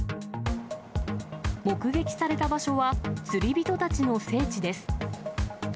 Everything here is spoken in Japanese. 目撃された場所は、釣り人たちの聖地です。